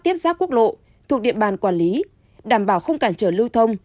tiếp giáp quốc lộ thuộc địa bàn quản lý đảm bảo không cản trở lưu thông